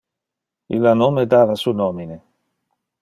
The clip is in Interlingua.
Illa non me dava su nomine.